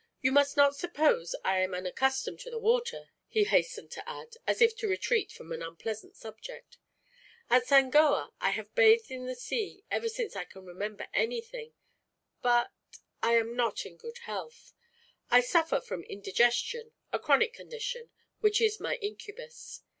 You must not suppose I am unaccustomed to the water," he hastened to add, as if to retreat from an unpleasant subject. "At Sangoa I have bathed in the sea ever since I can remember anything; but I am not in good health. I suffer from indigestion, a chronic condition, which is my incubus.